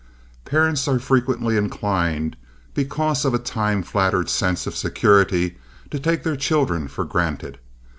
Parents are frequently inclined, because of a time flattered sense of security, to take their children for granted.